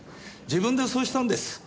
自分でそうしたんです。